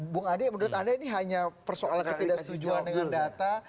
bung adi menurut anda ini hanya persoalan ketidaksetujuan dengan data